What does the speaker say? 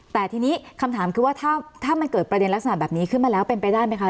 แต่ทีนี้คำถามคือว่าถ้ามันเกิดประเด็นลักษณะแบบนี้ขึ้นมาแล้วเป็นไปได้ไหมคะ